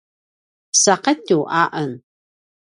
saqetju a en